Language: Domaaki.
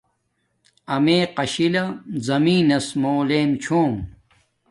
امیے قاشلہ زمین نس مُو لم چھوم